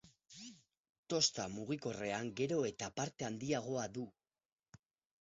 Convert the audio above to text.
Tosta mugikorrean gero eta parte handiagoa du.